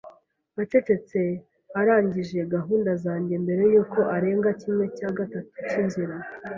acecetse arangije gahunda zanjye mbere yuko arenga kimwe cya gatatu cyinzira